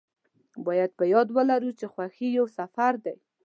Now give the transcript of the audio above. باید په یاد ولرو چې خوښي یو سفر دی.